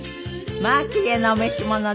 まあキレイなお召し物で。